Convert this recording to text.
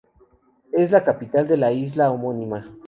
Es la capital de la isla homónima.